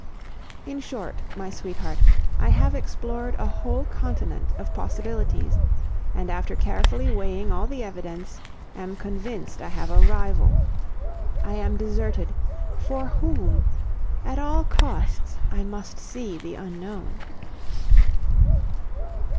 In short, my sweetheart, I have explored a whole continent of possibilities, and after carefully weighing all the evidence, am convinced I have a rival. I am deserted for whom? At all costs I must see the unknown.